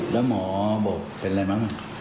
แล้วหมอบอกเป็นบ้านล่ะ